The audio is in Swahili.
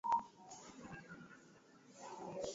watahiriwe kwanza Baadaye akawa katika mji mkubwa wa Antiokia